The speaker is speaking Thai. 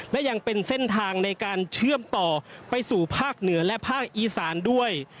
และยังเป็นเส้นทางในการเชื่อมต่อไปสู่ภาคเหนือและภาคอีสานด้วย